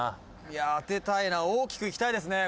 「当てたいな大きくいきたいですね」